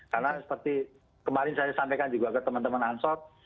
karena seperti kemarin saya sampaikan juga ke teman teman ansol